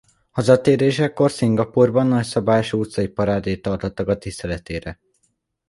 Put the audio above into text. Hazatérésekor Szingapúrban nagyszabású utcai parádét tartottak a tiszteletére.